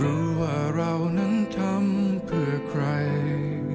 รู้ว่าเรานั้นทำเพื่อใคร